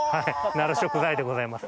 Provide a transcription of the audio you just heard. なる食材でございます。